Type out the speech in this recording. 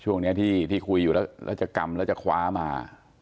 ช่วงนี้ที่คุยอยู่แล้วแล้วจะกรรมแล้วจะคว้ามา